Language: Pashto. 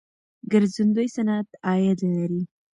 ګرځندوی صنعت عاید لري.